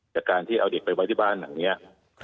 จากการที่เอาเด็กไปไว้ที่บ้านหลังนี้